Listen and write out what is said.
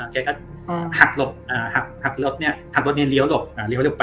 แกก็หักรถหักรถเนี่ยทำรถเรียนเลี้ยวรอบเรียวรอบไป